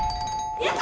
やった！